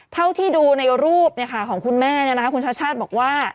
เท่าที่ดูในรูปของคุณแม่คุณชาติชาติบอกว่า